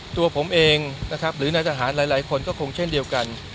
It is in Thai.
ตัวผมเองนะครับหรือนายทหารหลายคนก็คงเช่นเดียวกัน